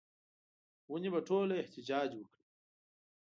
ونې به ټوله احتجاج وکړي